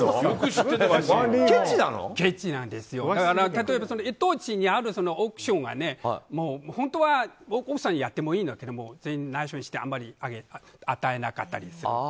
例えば一等地にある億ションが本当は奥さんにやってもいいんだけど内緒にして与えなかったりする。